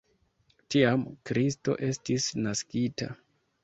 Tiam Kristo estis naskita.